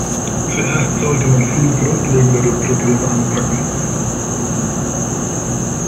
Zuerst sollte man viel grundlegendere Probleme anpacken.